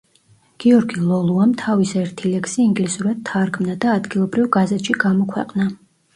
გიორგი ლოლუამ თავის ერთი ლექსი ინგლისურად თარგმნა და ადგილობრივ გაზეთში გამოქვეყნა.